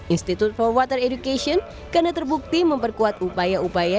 institute for water education karena terbukti memperkuat upaya upaya